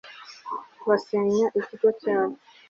basenya ikigo cyabo